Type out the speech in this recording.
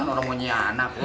gak ada orang mau nyianak lu